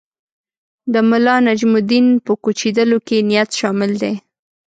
د ملانجم الدین په کوچېدلو کې نیت شامل دی.